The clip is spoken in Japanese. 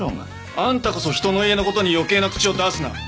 あんたこそ人の家の事に余計な口を出すな。